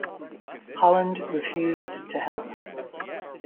Holland refused to help.